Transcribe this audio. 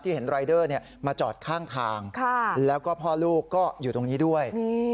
เห็นรายเดอร์มาจอดข้างทางแล้วก็พ่อลูกก็อยู่ตรงนี้ด้วย